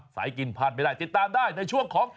กินพลาดไม่ได้ติดตามได้ในช่วงของ